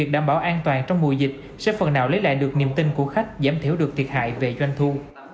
đảm bảo an toàn trong mùa dịch sẽ phần nào lấy lại được niềm tin của khách giảm thiểu được thiệt hại về doanh thu